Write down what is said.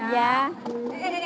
ini nasi merah